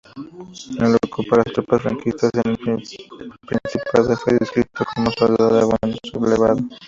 Al ocupar las tropas franquistas el Principado fue adscrito como soldado al bando sublevado.